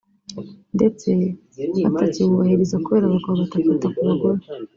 ndetse batakiwubahiriza kubera abagabo batakita ku bagore